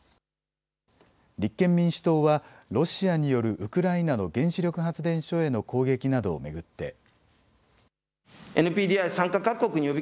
立憲民主党はロシアによるウクライナの原子力発電所への攻撃などを巡って。